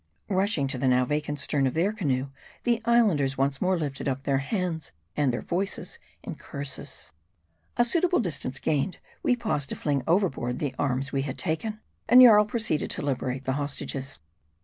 Rushing to the now vacant stern of their canoe, the Islanders once more lifted up their hands and their voices in curses. A suitable distance gained, we paused to fling overboard the arms we had taken ; and Jarl proceeded to liberate the hostages.